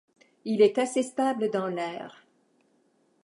Il est assez stable dans l'air.